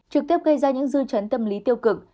trực tiếp gây ra những dư chấn tâm lý tiêu cực